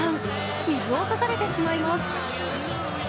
水を差されてしまいます。